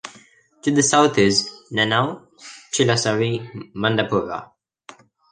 To the south is Nannau, Chilasari, Mandarpura.